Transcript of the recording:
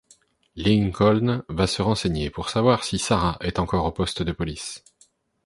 Lincoln va se renseigner pour savoir si Sara est encore au poste de police.